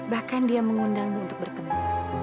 bahkan dia mengundangmu untuk bertemu